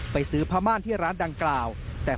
ซื้อผ้าม่านที่ร้านดังกล่าว